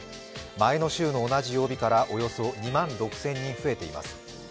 前の週の同じ曜日からおよそ２万６０００人増えています。